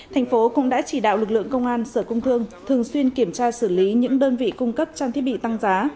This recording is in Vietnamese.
thành phố cũng đã chỉ đạo lực lượng công an sở công thương thường xuyên kiểm tra xử lý những đơn vị cung cấp trang thiết bị tăng giá